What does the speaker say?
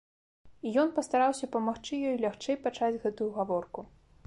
І ён пастараўся памагчы ёй лягчэй пачаць гэтую гаворку.